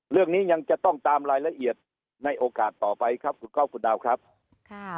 เรื่องนี้ยังจะต้องตามรายละเอียดในโอกาสต่อไปครับคุณก้อคุณดาวครับค่ะ